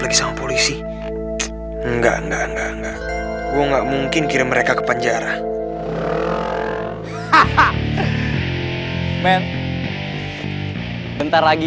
emang mau pikir papa rabun apa